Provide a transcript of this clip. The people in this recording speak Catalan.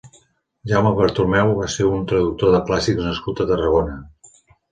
Jaume Bartomeu va ser un traductor de clàssics nascut a Tarragona.